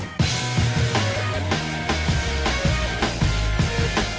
กล่าวค้านถึงกุ้ยเตี๋ยวลุกชิ้นหมูฝีมือลุงส่งมาจนถึงทุกวันนี้นั่นเองค่ะ